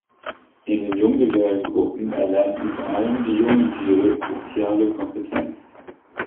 In den Junggesellengruppen erlernen vor allem die jungen Tiere soziale Kompetenz.